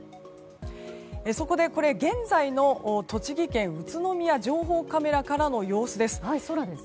そこで、現在の栃木県宇都宮情報カメラからの情報です。